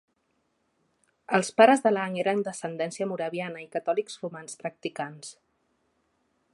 Els pares de Lang eren d'ascendència moraviana i catòlics romans practicants.